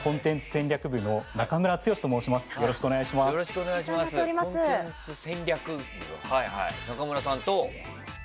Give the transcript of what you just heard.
戦略部の中村さんと。